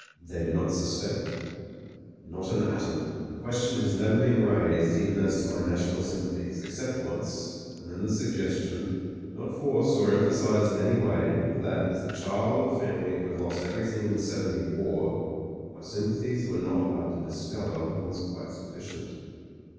They do not suspect ?" 'Not an atom. The question has never been raised even as to my national sympathies, except once, and then the suggestion — ^not forced or emphasised in any way — ^that, as the child of a family who had lost every thing in the '70 war, my sympathies were not hard to discover, was quite sufficient.